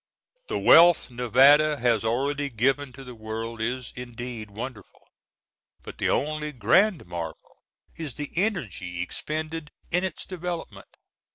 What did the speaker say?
The wealth Nevada has already given to the world is indeed wonderful, but the only grand marvel is the energy expended in its development.